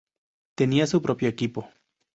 Tenía su propio equipo.